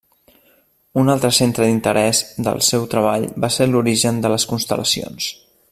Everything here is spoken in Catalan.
Un altre centre d'interés del seu treball va ser l'origen de les constel·lacions.